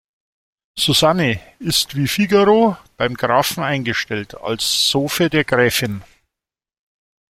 Susanne ist, wie Figaro, beim Grafen eingestellt, als Zofe der Gräfin.